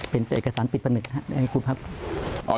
เป็นเอกสารปิดประหนึ่งนะครับขออนุญาตครับ